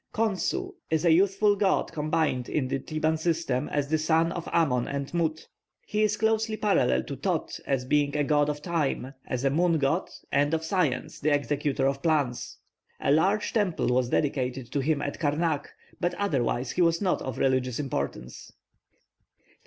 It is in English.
+Khonsu+ is a youthful god combined in the Theban system as the son of Amon and Mut. He is closely parallel to Thōth as being a god of time, as a moon god, and of science, 'the executor of plans.' A large temple was dedicated to him at Karnak, but otherwise he was not of religious importance.